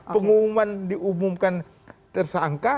pengumuman diumumkan tersangka